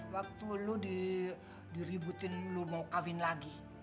waktu lo diributin lo mau kawin lagi